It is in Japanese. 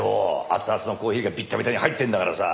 熱々のコーヒーがビッタビタに入ってるんだからさ。